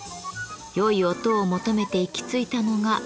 良い音を求めて行き着いたのが漆でした。